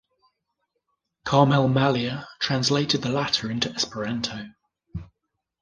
Carmel Mallia translated the latter into Esperanto.